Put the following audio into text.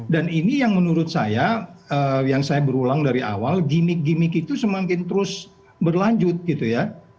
dan ini yang menurut saya yang saya berulang dari awal gimik gimik itu semakin terus berlanjut gitu ya